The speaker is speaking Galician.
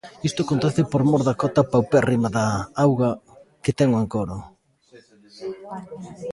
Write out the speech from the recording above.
Isto acontece por mor da cota paupérrima de auga que ten o encoro.